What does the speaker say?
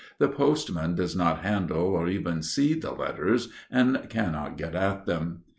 The postman does not handle or even see the letters, and cannot get at them.